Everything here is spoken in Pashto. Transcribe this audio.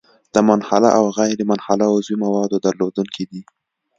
د منحله او غیرمنحله عضوي موادو درلودونکی دی.